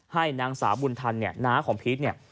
ให้นางสาวบุญทันเนี่ยน้าของพีชเนี่ย